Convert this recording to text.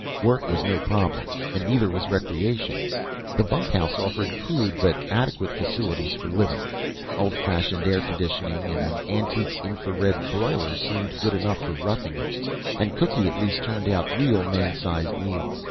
Work was no problem, and neither was recreation. The bunkhouse offered crude but adequate facilities for living; old fashioned air conditioning and an antique infra red broiler seemed good enough for roughing it, and Cookie at least turned out real man sized meals.